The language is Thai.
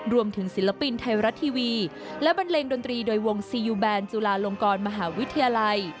ศิลปินไทยรัฐทีวีและบันเลงดนตรีโดยวงซียูแบนจุลาลงกรมหาวิทยาลัย